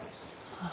あ